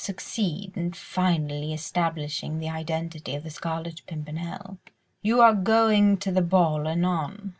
—succeed in finally establishing the identity of the Scarlet Pimpernel. ... You are going to the ball anon.